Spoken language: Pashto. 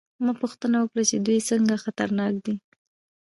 ما پوښتنه وکړه چې دوی څنګه خطرناک دي